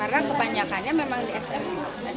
karena kebanyakannya memang di sma